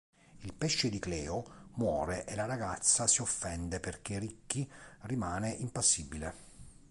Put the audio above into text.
Il pesce di Cleo muore e la ragazza si offende perché Rikki rimane impassibile.